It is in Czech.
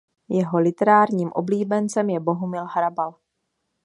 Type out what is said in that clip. Jeho literárním oblíbencem je Bohumil Hrabal.